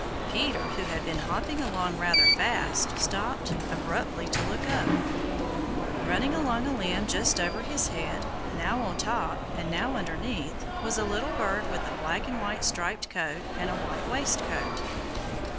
Peter, who had been hopping along rather fast, stopped abruptly to look up. Running along a limb just over his head, now on top and now underneath, was a little bird with a black and white striped coat and a white waistcoat.